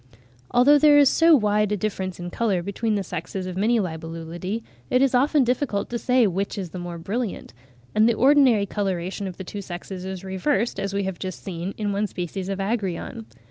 Although there is so wide a difference in colour between the sexes of many Libellulidae, it is often difficult to say which is the more brilliant; and the ordinary coloration of the two sexes is reversed, as we have just seen, in one species of Agrion.